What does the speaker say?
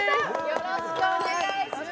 よろしくお願いします